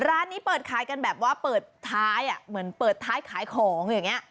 ร้านนี้เปิดขายกันแบบว่าเปิดท้ายอ่ะเหมือนเปิดท้ายขายของอย่างนี้